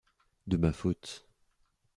De ma faute.